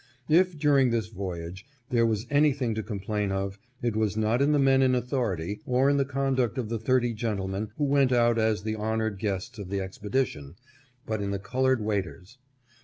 If, during this voyage, there was anything to complain of, it was not in the men in authority, or in the conduct of the thirty gentlemen who went out as the honored guests of the expedition, but in the colored wait ers.